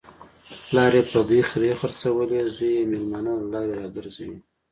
پلار یې پردۍ خرې خرڅولې، زوی یې مېلمانه له لارې را گرځوي.